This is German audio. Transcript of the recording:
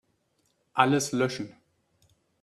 Alles löschen.